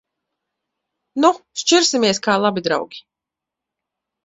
Nu! Šķirsimies kā labi draugi.